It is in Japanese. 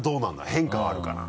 変化はあるかな？